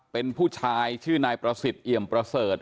เป็นผู้ชายชื่อนายประสิทธิ์เอี่ยมประเสริฐ